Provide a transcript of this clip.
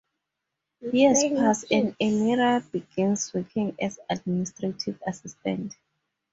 Years pass and Emira begins working as administrative assistant.